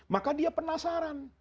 maka dia penasaran